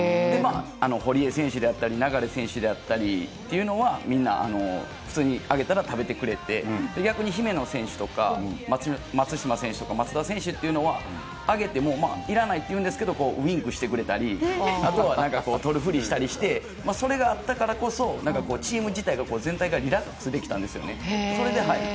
堀江選手だったり、流選手であったりっていうのは、みんな、普通にあげたら食べてくれて、逆に姫野選手とか、松島選手とか松田選手というのは、あげても、まあ、いらないって言うんですけど、ウインクしてくれたり、あとはなんか、取る振りしたりして、それがあったからこそ、なんかチーム自体が全体がリラックスできたんですよね。